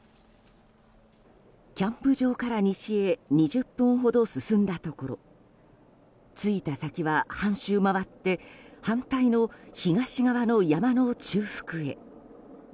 キャンプ場から西へ２０分ほど進んだところ着いた先は、半周回って反対の東側の山の中腹へ。